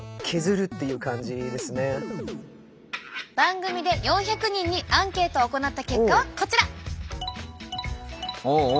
番組で４００人にアンケートを行った結果はこちら！